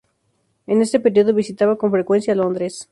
En este período, visitaba con frecuencia Londres.